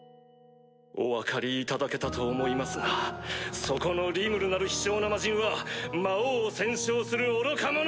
お分かりいただけたと思いますがそこのリムルなる卑小な魔人は魔王を僭称する愚か者！